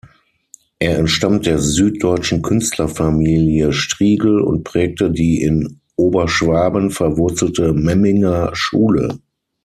Er entstammt der süddeutschen Künstlerfamilie Strigel und prägte die in Oberschwaben verwurzelte Memminger Schule.